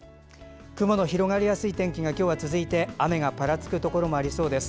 雲の広がりやすい天気が今日は続いて雨がぱらつくところもありそうです。